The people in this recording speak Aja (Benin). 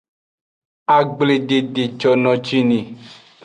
Agbledede jono ji ni.